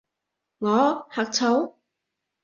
我？呷醋？